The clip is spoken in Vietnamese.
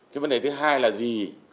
cái vấn đề thứ hai là gì